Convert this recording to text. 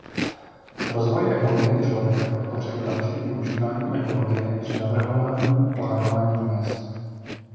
Rozvoj ekologie člověka podpořil další využívání ekologie při navrhování a plánování měst.